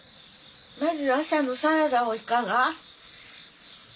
まず朝のサラダをいかが？